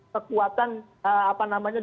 kekuatan apa namanya